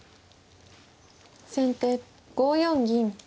先手５四銀。